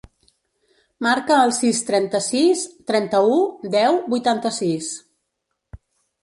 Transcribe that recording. Marca el sis, trenta-sis, trenta-u, deu, vuitanta-sis.